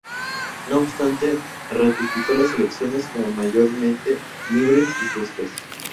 No obstante, ratificó las elecciones como mayormente libres y justas.